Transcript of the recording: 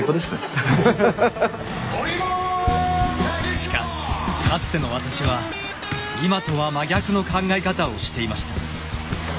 しかしかつての私は今とは真逆の考え方をしていました。